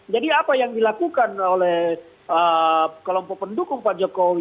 apa yang dilakukan oleh kelompok pendukung pak jokowi